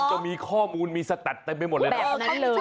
เขามีข้อมูลมีสตัดแต่ไม่เห็นหมดเรื่องพวกแบบนั้นเลย